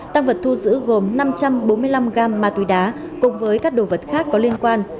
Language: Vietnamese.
tăng vật thu giữ gồm năm trăm bốn mươi năm gam ma túy đá cùng với các đồ vật khác có liên quan